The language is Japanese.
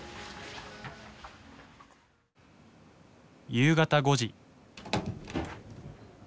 夕方５時。